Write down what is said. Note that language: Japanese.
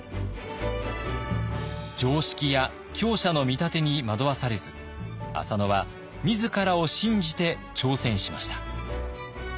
常識や強者の見立てに惑わされず浅野は自らを信じて挑戦しました。